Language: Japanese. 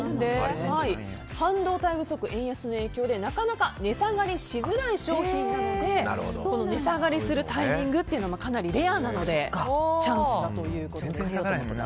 半導体不足、円安の影響でなかなか値下がりしづらい商品なので値下がりするタイミングはかなりレアなのでチャンスだということです。